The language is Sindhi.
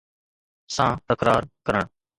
سان تڪرار ڪرڻ